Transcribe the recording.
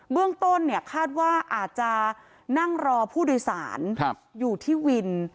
เบื้องต้นคาดว่าอาจจะนั่งรอผู้โดยสารอยู่ที่วิน